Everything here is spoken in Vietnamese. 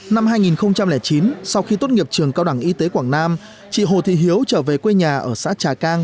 năm hai nghìn chín sau khi tốt nghiệp trường cao đẳng y tế quảng nam chị hồ thị hiếu trở về quê nhà ở xã trà cang